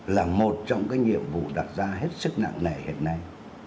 là một trong những nhiệm vụ đặt ra hết sức nặng nẻ hiện nay